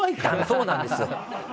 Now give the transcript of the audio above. そうなんですよ。